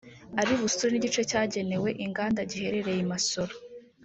Ari busure n’igice cyagenewe inganda giherereye i Masoro